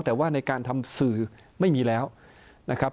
แต่ว่าในการทำสื่อไม่มีแล้วนะครับ